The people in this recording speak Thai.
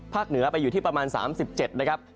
เหนือไปอยู่ที่ประมาณ๓๗นะครับ